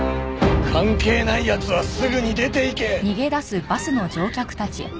関係ない奴はすぐに出ていけ！